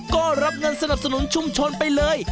ก็รับเงินสนับสนุนชุมชนไปเลย